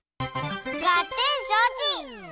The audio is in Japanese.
がってんしょうち！